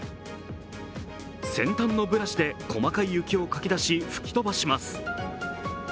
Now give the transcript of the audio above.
先端のブラシで細かい雪をかき出し、吹き飛ばします。